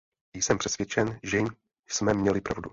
Jsem přesvědčen, že jsme měli pravdu.